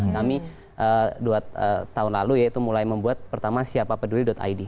kami dua tahun lalu ya itu mulai membuat pertama siapapeduli id